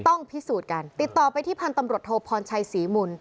ต้องพิสูจน์กันติดต่อไปที่พันธุ์ตำรวจโทพรชัยศรีมุน